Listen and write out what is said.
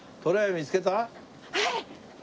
はい！